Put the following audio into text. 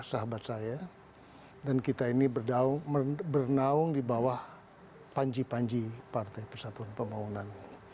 sahabat saya dan kita ini bernaung di bawah panji panji partai persatuan pembangunan